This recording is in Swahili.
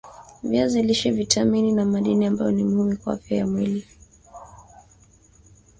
viazi lishe vitamini na madini ambayo ni muhimu kwa afya ya mwili